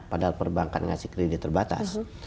padahal perbankan ngasih kredit terbatas